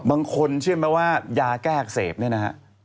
บางคนเชื่อไหมว่ายาแก้อักเสบเนี่ยนะฮะ